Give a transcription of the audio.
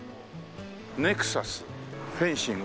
ネクサスフェンシング